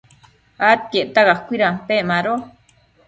adquiecta cacuidampec mado